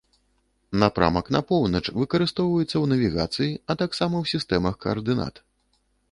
Напрамак на поўнач выкарыстоўваецца ў навігацыі, а таксама ў сістэмах каардынат.